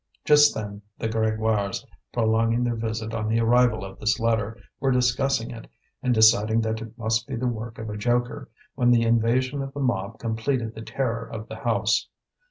Just then the Grégoires, prolonging their visit on the arrival of this letter, were discussing it, and decided that it must be the work of a joker, when the invasion of the mob completed the terror of the house.